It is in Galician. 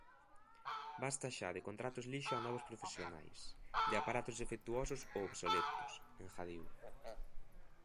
"Basta xa de contratos lixo a novos profesionais", de "aparatos defectuosos ou obsoletos", engadiu.